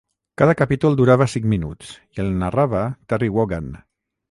Cada capítol durava cinc minuts i el narrava Terry Wogan.